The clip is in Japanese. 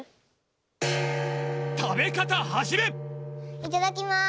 いただきます！